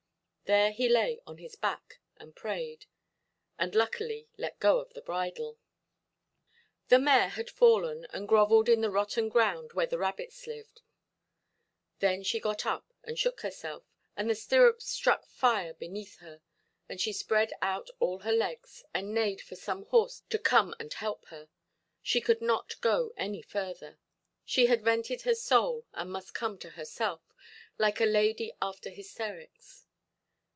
There he lay on his back, and prayed, and luckily let go the bridle. The mare had fallen, and grovelled in the rotten ground where the rabbits lived; then she got up and shook herself, and the stirrups struck fire beneath her, and she spread out all her legs, and neighed for some horse to come and help her. She could not go any further; she had vented her soul, and must come to herself, like a lady after hysterics.